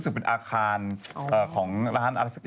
สนับสนุนโดยดีที่สุดคือการให้ไม่สิ้นสุด